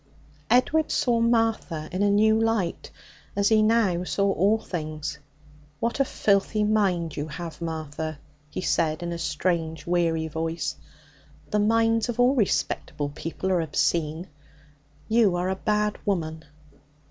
Edward saw Martha in a new light, as he now saw all things. 'What a filthy mind you have, Martha!' he said in a strange, weary voice. 'The minds of all respectable people are obscene. You are a bad woman!'